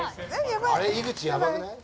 あれ井口やばくない？